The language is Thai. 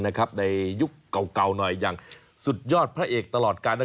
ในยุคเก่าสุดยอดพระเอกตลอดกาล